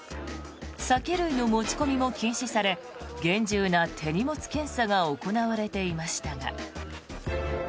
酒類の持ち込みも禁止され厳重な手荷物検査が行われていましたが。